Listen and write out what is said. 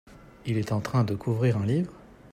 Il est en train de couvrir un livre ?